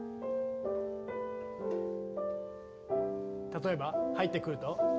例えば入ってくると。